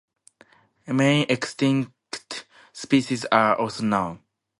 Many extinct species are also known.